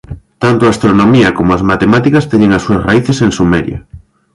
Tanto a Astronomía como as Matemáticas teñen as súas raíces en Sumeria.